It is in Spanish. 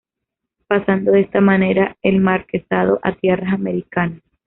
Pasando de esta manera el marquesado a tierras americanas.